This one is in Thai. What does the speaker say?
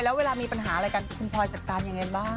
แล้วเวลามีปัญหาอะไรกันคุณพลอยจัดการยังไงบ้าง